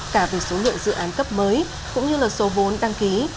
cả về số lượng dự án cấp mới cũng như là số vốn đăng ký